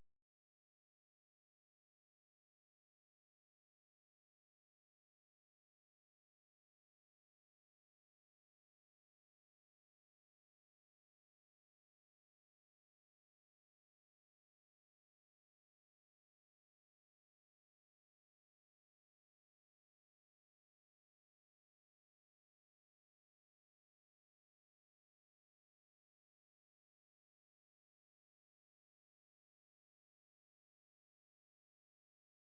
ya mendapatkan dari estratégik highline